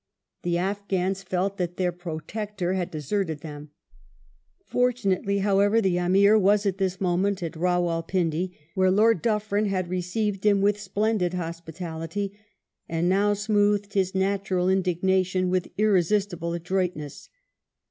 The Afghans felt that their " Protector" had deserted them. Fortunately, however, the Amir was at this moment at Rawal Pindi where Lord Dufferin '^ had received him with splendid hospitality, and now smoothed his natural indignation with irresistible adroitness.